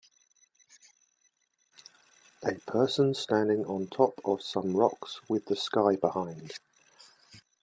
A person standing on top of some rocks with the sky behind.